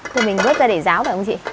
thì mình vớt ra để ráo phải không chị